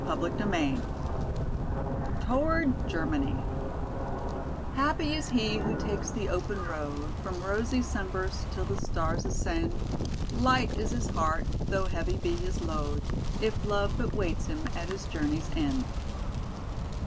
CHAPTER III Toward Germany "Happy is he who takes the open road, From rosy sunburst till the stars ascend. Light is his heart, though heavy be his load, If love but waits him at his journey's end."